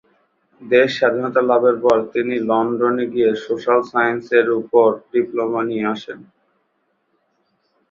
দেশ স্বাধীনতা লাভের পরে তিনি লন্ডনে গিয়ে 'সোশ্যাল সায়েন্স' এর উপর ডিপ্লোমা নিয়ে আসেন।